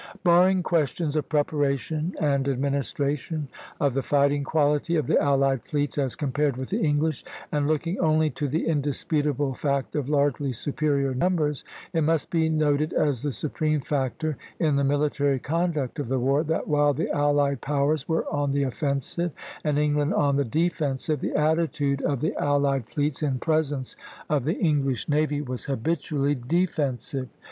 Barring questions of preparation and administration, of the fighting quality of the allied fleets as compared with the English, and looking only to the indisputable fact of largely superior numbers, it must be noted as the supreme factor in the military conduct of the war, that, while the allied powers were on the offensive and England on the defensive, the attitude of the allied fleets in presence of the English navy was habitually defensive.